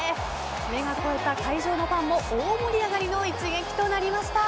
目が肥えた会場のファンも大盛り上がりの一撃となりました。